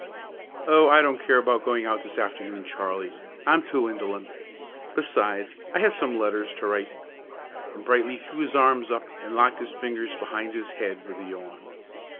"Oh, I don't care about going out this afternoon, Charley; I'm too indolent. Besides, I have some letters to write;" and Brightly threw his arms up and locked his fingers behind his head with a yawn.